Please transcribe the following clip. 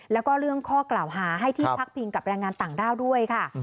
แล้วก็เรื่องข้อกล่าวหาให้ที่พักพิงกับแรงงานต่างด้าวด้วยค่ะ